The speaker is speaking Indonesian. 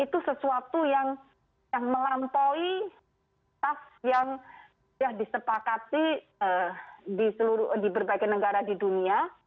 itu sesuatu yang melampaui tas yang sudah disepakati di berbagai negara di dunia